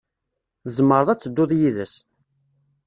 Tzemreḍ ad tedduḍ yid-s.